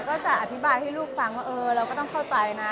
ก็จะอธิบายให้ลูกฟังว่าเออเราก็ต้องเข้าใจนะ